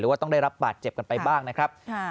ว่าต้องได้รับบาดเจ็บกันไปบ้างนะครับ